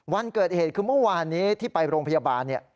วันเกิดเหตุคือเมื่อวานนี้ที่ไปโรงพยาบาลเนี่ย